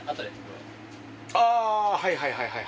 ああはいはいはいはい。